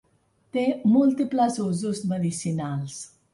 Té múltiples usos medicinals.